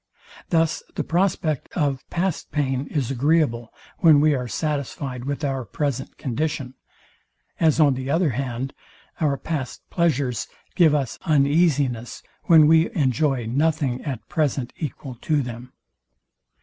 Thus the prospect of past pain is agreeable, when we are satisfyed with our present condition; as on the other hand our past pleasures give us uneasiness, when we enjoy nothing at present equal to them.